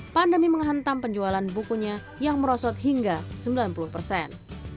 pandemi menghantam penjualan bukunya yang merosot hingga sembilan puluh persen